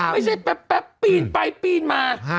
ไม่ใช่แป๊บปีนไปปีนมา